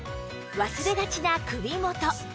忘れがちな首元